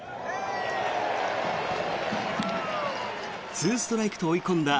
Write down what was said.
２ストライクと追い込んだ